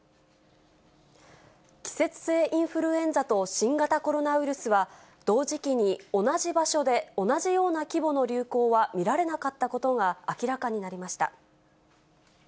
季節性インフルエンザと新型コロナウイルスは、同時期に同じ場所で、同じような規模の流行は見られなかったことが明らかになりました。